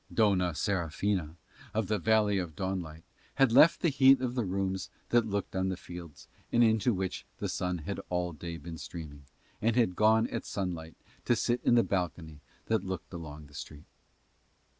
Dona Serafina of the Valley of Dawnlight had left the heat of the room that looked on the fields, and into which the sun had all day been streaming, and had gone at sunset to sit in the balcony that looked along the street.